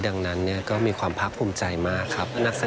ดังนั้นก็มีความพร้อมใจมากครับ